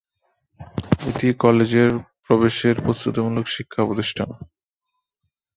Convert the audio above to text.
এটি কলেজের প্রবেশের প্রস্তুতিমূলক শিক্ষা প্রতিষ্ঠান।